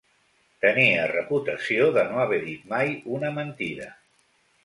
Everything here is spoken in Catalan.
Tenia reputació de no haver dit mai una mentida.